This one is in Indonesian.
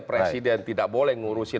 presiden tidak boleh ngurusin